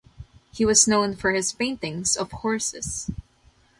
He was known for his paintings of horses.